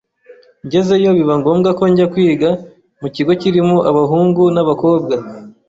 ngezeyo biba ngombwa ko njya kwiga mu kigo kirimo abahungu n’abakobwa